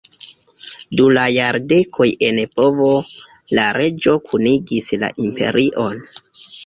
Du la jardekoj en povo, la reĝo kunigis la imperion.